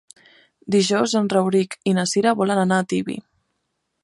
Dijous en Rauric i na Cira volen anar a Tibi.